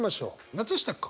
松下君。